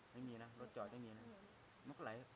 แบบนี้นะรถจอดแบบนี้นะ